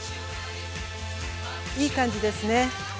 いい感じですね。